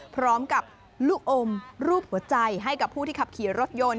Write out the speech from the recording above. พร้อมกับลูกอมรูปหัวใจให้กับผู้ที่ขับขี่รถยนต์